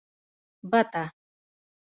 🪿بته